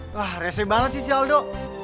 wah rese banget sih si aldo